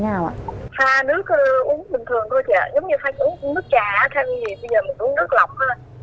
nếu như phải uống nước trà hay bây giờ mình uống nước lọc thôi